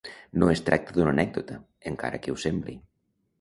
No es tracta d'una anècdota, encara que ho sembli.